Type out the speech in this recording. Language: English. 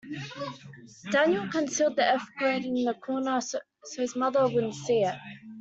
Daniel concealed the F grade in the corner so his mother wouldn't see it.